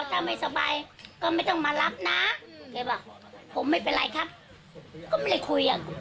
ถ้าไม่สบายก็ไม่ต้องมารับนะแกบอกผมไม่เป็นไรครับก็ไม่ได้คุยอ่ะ